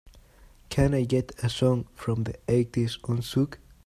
Can i get a song from the eighties on Zvooq